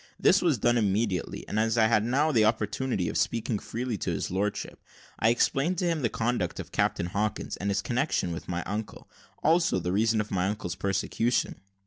This was done immediately; and, as I had now an opportunity of speaking freely to his lordship, I explained to him the conduct of Captain Hawkins, and his connexion with my uncle; also the reason of my uncle's persecution.